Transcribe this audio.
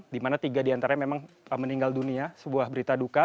dimana tiga diantara memang meninggal dunia sebuah berita duka